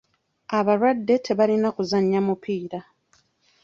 Abalwadde tebalina kuzannya mupiira.